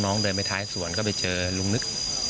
โป่งแร่ตำบลพฤศจิตภัณฑ์